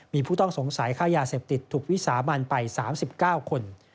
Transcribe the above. มีผู้ต้องสงสัยค่ายาเสพติดถูกวิสามันไป๓๙คน